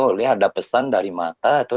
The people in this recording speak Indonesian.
boleh ada pesan dari mata atau